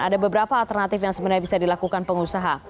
ada beberapa alternatif yang sebenarnya bisa dilakukan pengusaha